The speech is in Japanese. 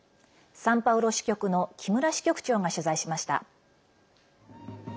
サンパウロ支局の木村支局長が取材しました。